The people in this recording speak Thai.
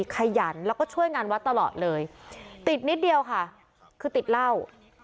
ขยันแล้วก็ช่วยงานวัดตลอดเลยติดนิดเดียวค่ะคือติดเหล้า